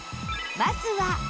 まずは。